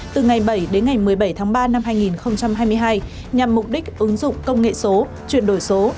từ ngày bảy đến ngày một mươi bảy tháng ba năm hai nghìn hai mươi hai nhằm mục đích ứng dụng công nghệ số chuyển đổi số